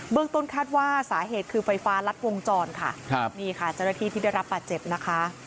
เบิ้ลต้นคาดว่าสาเหตุคือไฟฟ้ารัดวงจรค่ะครับนี่ค่ะจ้านตริพิสูจน์ได้รับปัจเจ็บนะคะ